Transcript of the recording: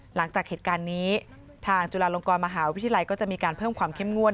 หลังจากเหตุการณ์นี้ทางจุฬาลงกรมหาวิทยาลัยก็จะมีการเพิ่มความเข้มงวด